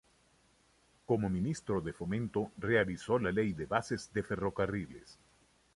Como ministro de Fomento realizó la Ley de Bases de Ferrocarriles.